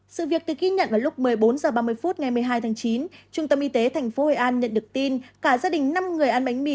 sự việc được ghi nhận vào lúc một mươi bốn h ba mươi phút ngày một mươi hai tháng chín trung tâm y tế tp hội an nhận được tin cả gia đình năm người ăn bánh mì